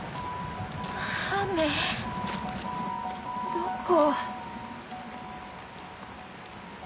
どこ。